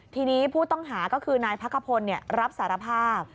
ทีนี้ผู้ต้องหาก็คือนายพักขพลรับสารภาพ